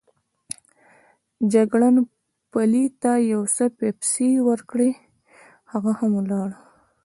جګړن پلي ته یو څه پسپسې وکړې، هغه هم ولاړ.